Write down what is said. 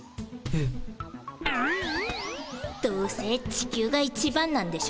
どうせ地球が一番なんでしょ。